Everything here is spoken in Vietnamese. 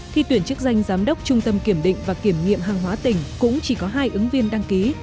khi tuyển chức danh giám đốc trung tâm kiểm định và kiểm nghiệm hàng hóa tỉnh cũng chỉ có hai ứng viên đăng ký